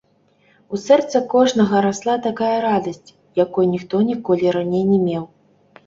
У сэрца кожнага расла такая радасць, якой ніхто ніколі раней не меў.